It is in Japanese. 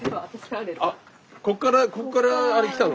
ここからあれ来たの？